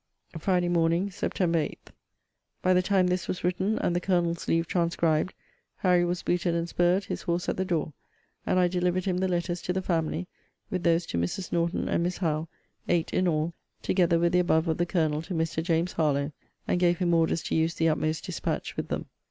FRIDAY MORN. SEPT. 8. By the time this was written, and by the Colonel's leave transcribed, Harry was booted and spurred, his horse at the door; and I delivered him the letters to the family, with those to Mrs. Norton and Miss Howe, (eight in all,) together with the above of the Colonel to Mr. James Harlowe; and gave him orders to use the utmost dispatch with them.